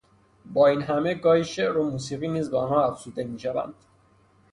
با این همه گاهی شعر و موسیقی نیز به آنها افزوده میشوند